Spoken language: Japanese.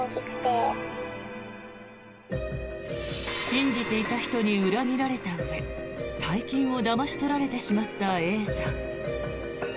信じていた人に裏切られたうえ大金をだまし取られてしまったＡさん。